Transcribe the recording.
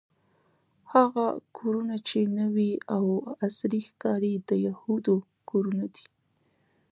هغه کورونه چې نوې او عصري ښکاري د یهودو کورونه دي.